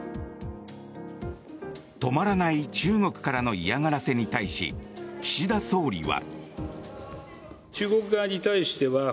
止まらない中国からの嫌がらせに対し岸田総理は。